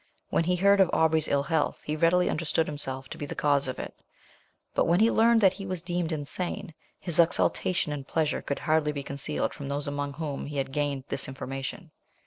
When he heard of Aubrey's ill health, he readily understood himself to be the cause of it; but when he learned that he was deemed insane, his exultation and pleasure could hardly be concealed from those among whom he had gained this information.